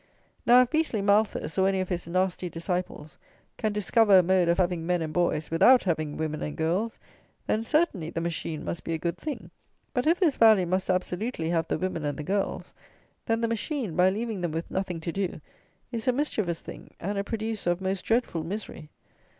Now, if beastly Malthus, or any of his nasty disciples, can discover a mode of having men and boys without having women and girls, then, certainly, the machine must be a good thing; but if this Valley must absolutely have the women and the girls, then the machine, by leaving them with nothing to do, is a mischievous thing; and a producer of most dreadful misery.